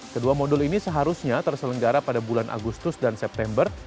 kedua modul ini seharusnya terselenggara pada bulan agustus dan september